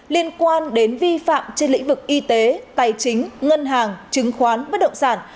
liên quan đến vi phạm trên lĩnh vực y tế tài chính ngân hàng chứng khoán bất động sản